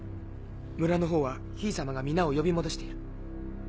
村のほうはヒイ様が皆を呼び戻している。